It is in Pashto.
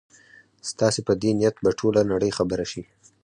ستاسي په دې نیت به ټوله نړۍ خبره شي.